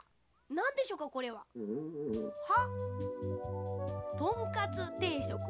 なんでしょうかこれは？は？